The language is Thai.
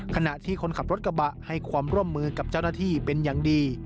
ขณะที่คนขับรถกระบะให้ความร่วมมือกับเจ้าหน้าที่เป็นอย่างดี